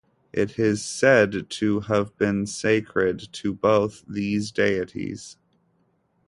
It is said to have been sacred to both these deities.